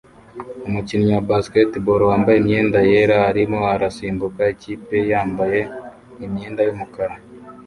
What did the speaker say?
Umukinnyi wa basketball wambaye imyenda yera arimo arasimbuka ikipe yambaye imyenda yumukara